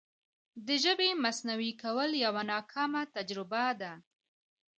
د ژبې مصنوعي کول یوه ناکامه تجربه ده.